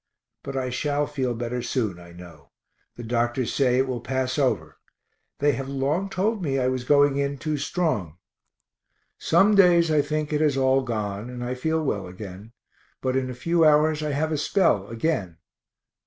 But I shall feel better soon, I know the doctors say it will pass over they have long told me I was going in too strong. Some days I think it has all gone and I feel well again, but in a few hours I have a spell again.